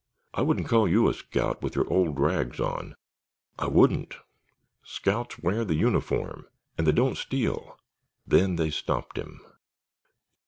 I wouldn't call you a scout with your old rags on—I wouldn't. Scouts wear the uniform and they don't steal——" Then they stopped him.